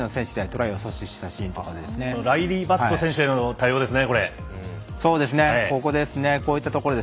ライリー・バット選手への対応ですね。